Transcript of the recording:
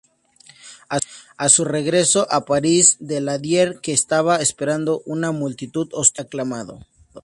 A su regreso a París, Daladier, que estaba esperando una multitud hostil, fue aclamado.